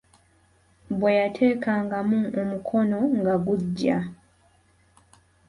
Bwe yateekangamu omukono nga guggya.